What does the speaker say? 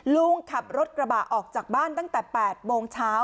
ลุงขับรถกระบะออกจากบ้านตั้งแต่๘โมงเช้า